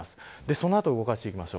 その後動かしていきます。